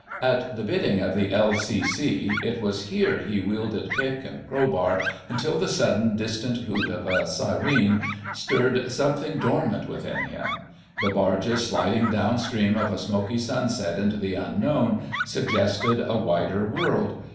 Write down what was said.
At the bidding of the L.C.C. it was here he wielded pick and crowbar until the sudden distant hoot of a syren stirred something dormant within him: the barges sliding down stream out of a smoky sunset into the Unknown suggested a wider world.